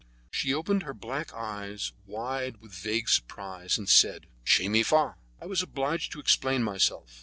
She opened her black eyes wide with vague surprise, and said, "Che ni fa?" I was obliged to explain myself.